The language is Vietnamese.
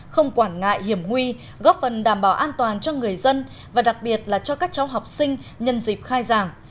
không quản ngại hiểm nguy góp phần đảm bảo an toàn cho người dân và đặc biệt là cho các cháu học sinh nhân dịp khai giảng